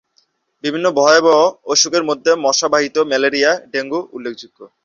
বিভিন্ন ভয়াবহ অসুখের মধ্যে মশা বাহিত ম্যালেরিয়া, ডেঙ্গু উল্লেখযোগ্য।